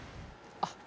あっ！